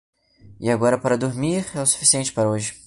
E agora para dormir, é o suficiente para hoje.